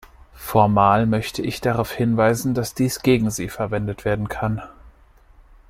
Formal möchte ich darauf hinweisen, dass dies gegen Sie verwendet werden kann.